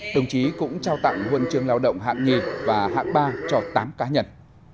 đồng chí cũng trao tặng huân trường lao động hạng hai và hạng ba cho tám cá nhân